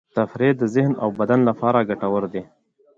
تفریح د ذهن او بدن لپاره ګټور دی.